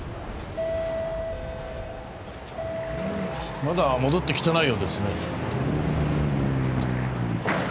まだ戻って来てないようですね。